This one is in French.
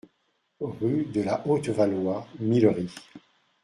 Rue de la Haute-Valois, Millery